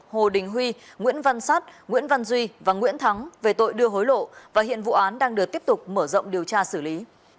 hồ đình huy nguyễn văn sát nguyễn văn duy và nguyễn thắng về tội đưa hối lộ và hiện vụ án đang được tiếp tục mở rộng điều tra xử lý